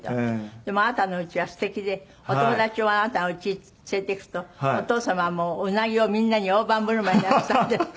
でもあなたのうちはすてきでお友達をあなたの家に連れていくとお父様もウナギをみんなに大盤振る舞いなすったんですって？